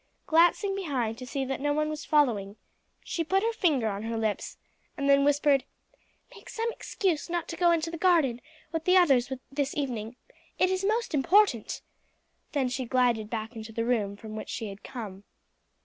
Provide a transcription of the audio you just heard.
Glancing behind to see that no one was following, she put her finger on her lips and then whispered: "Make some excuse not to go into the garden with the others this evening. It is most important." Then she glided back into the room from which she had come.